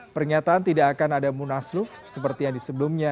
pernyataan tidak akan ada munasluf seperti yang disebelumnya